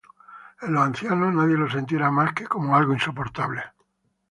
En los ancianos nadie lo sentirá más que como algo insoportable".